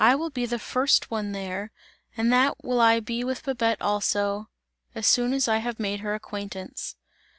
I will be the first one there, and that will I be with Babette also, as soon as I have made her acquaintance!"